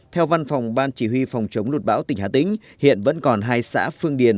theo văn phòng ban chỉ huy phòng chống lụt bão tỉnh hà tĩnh hiện vẫn còn hai xã phương điền